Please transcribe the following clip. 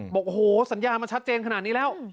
บอกโอ้โหสัญญามันชัดเจนขนาดนี้แล้ว